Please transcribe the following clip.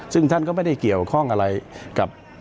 ซึ่งท่านก็ไม่ได้เกี่ยวข้องอะไรกับ